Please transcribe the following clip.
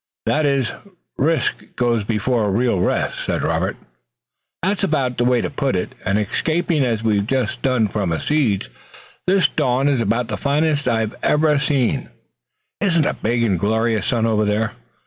"That is, risk goes before real rest," said Robert. "That's about the way to put it, and escaping as we've just done from a siege, this dawn is about the finest I've ever seen. Isn't that a big and glorious sun over there?